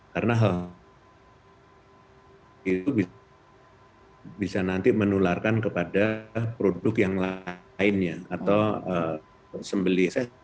karena hal itu bisa nanti menularkan kepada produk yang lainnya atau sembelian